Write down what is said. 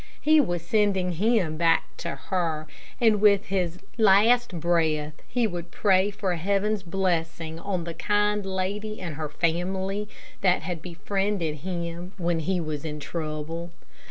He was sending him back to her, and with his latest breath he would pray for heaven's blessing on the kind lady and her family that had befriended him when he was in trouble.